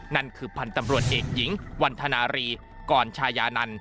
นั่นคือพันธ์ตำรวจเอกหญิงวันธนารีกรชายานันต์